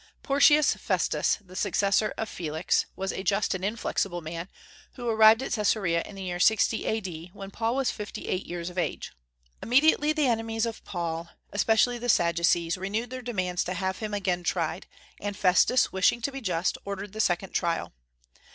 Porcius Festus, the successor of Felix, was a just and inflexible man, who arrived at Caesarea in the year 60 A.D., when Paul was fifty eight years of age. Immediately the enemies of Paul, especially the Sadducees, renewed their demands to have him again tried; and Festus, wishing to be just, ordered the second trial.